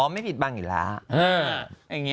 อ๋อไม่ผิดบางอย่างไร